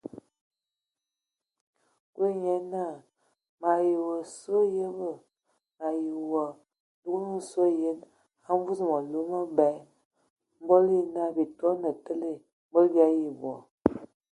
Kulu nye naa : mǝ ayəbǝ! mǝ ayi wa dugan sɔ yen a mvus mǝlu mǝbɛ, bii toane tele mbol bii ayi bɔ.